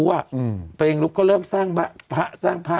ตัวเองลุกก็เริ่มสร้างพระสร้างพระ